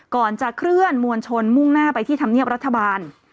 ก่อนจะเคลื่อนมวลชนมุ่งหน้าไปที่ธรรมเนียบรัฐบาล